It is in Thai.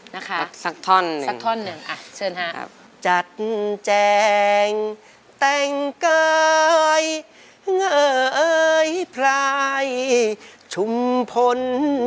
นะคะสักท่อนหนึ่งอะเชิญค่ะจัดแจ้งแต่งกายเงยพลายชุมพล